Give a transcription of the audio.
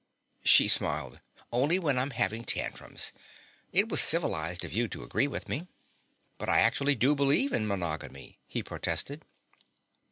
She smiled. "Only when I'm having tantrums. It was civilized of you to agree with me." "But I actually do believe in monogamy," he protested.